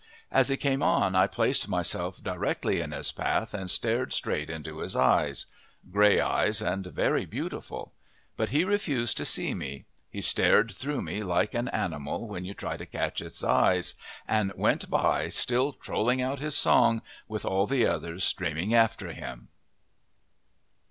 As he came on I placed myself directly in his path and stared straight into his eyes grey eyes and very beautiful; but he refused to see me; he stared through me like an animal when you try to catch its eyes, and went by still trolling out his song, with all the others streaming after him.